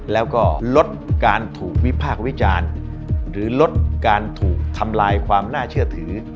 แล้วก็ลดการถูกวิพากษ์วิจารณ์หรือลดการถูกทำลายความน่าเชื่อถือ